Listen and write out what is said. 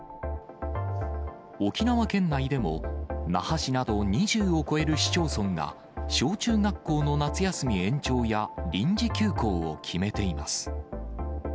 沖縄県内でも、那覇市など２０を超える市町村が、小中学校の夏休み延長や、臨時休校を決めています。